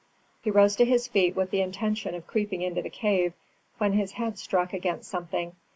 He rose to his feet with the intention of creeping into the cave, when his head struck against something.